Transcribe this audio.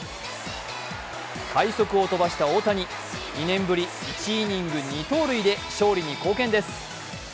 快足を飛ばした大谷、２年ぶり１イニング２盗塁で勝利に貢献です。